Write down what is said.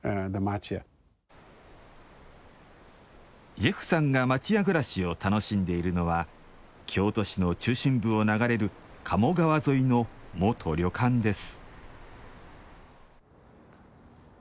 ジェフさんが町家暮らしを楽しんでいるのは京都市の中心部を流れる鴨川沿いの元旅館です。